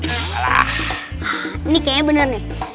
ini kayaknya bener nih